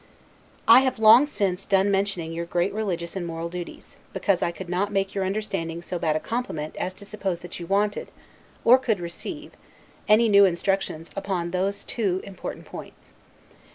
I have long since done mentioning your great religious and moral duties, because I could not make your understanding so bad a compliment as to suppose that you wanted, or could receive, any new instructions upon those two important points.